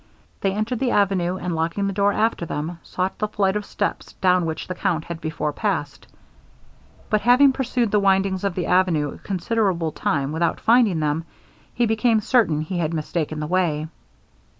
They entered the avenue, and locking the door after them, sought the flight of steps down which the count had before passed; but having pursued the windings of the avenue a considerable time without finding them, he became certain he had mistaken the way.